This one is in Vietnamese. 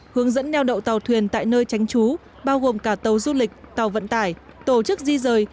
hướng dẫn neo đậu tàu thuyền tại nơi tránh trú bao gồm cả tàu du lịch tàu vận tải tổ chức di rời